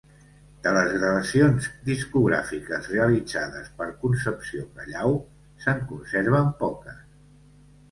De les gravacions discogràfiques realitzades per Concepció Callao se'n conserven poques.